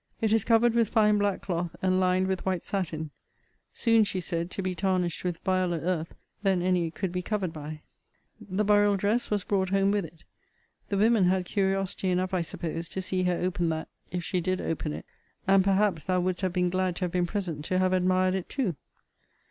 It is covered with fine black cloth, and lined with white satin; soon, she said, to be tarnished with viler earth than any it could be covered by. The burial dress was brought home with it. The women had curiosity enough, I suppose, to see her open that, if she did open it. And, perhaps, thou wouldst have been glad to have been present to have admired it too!